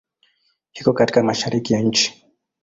Iko katika Mashariki ya nchi.